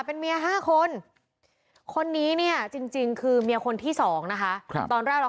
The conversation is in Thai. เป็นเมีย๕คนคนนี้เนี่ยจริงคือเมียคนที่๒นะคะตอนแรกเรา